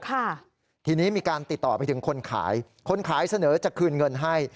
ค่ะทีนี้มีการติดต่อไปถึงคนขายคนขายเสนอจะคืนเงินให้